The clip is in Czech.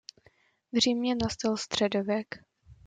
V Římě nastal středověk.